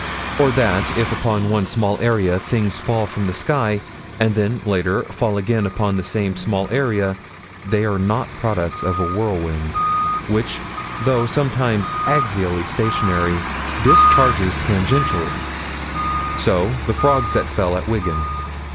Or that, if upon one small area, things fall from the sky, and then, later, fall again upon the same small area, they are not products of a whirlwind, which though sometimes axially stationary, discharges tangentially So the frogs that fell at Wigan.